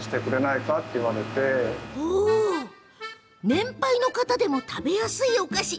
年配の方でも食べやすいお菓子